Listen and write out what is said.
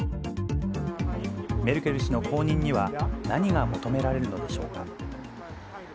メルケル氏の後任には、何が求められるのでしょうか。